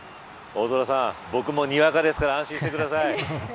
大空さん、僕もにわかですから安心してください。